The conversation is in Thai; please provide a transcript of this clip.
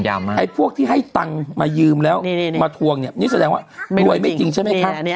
ไอ้พวกที่ให้ตังค์มายืมแล้วมาทวงเนี่ยนี่แสดงว่ารวยไม่จริงใช่ไหมคะ